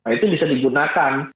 itu bisa digunakan